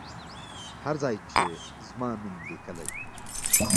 هر ځای چې زما نوم لیکلی.